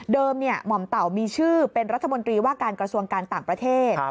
หม่อมเต่ามีชื่อเป็นรัฐมนตรีว่าการกระทรวงการต่างประเทศ